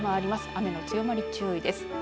雨の強まり、注意です。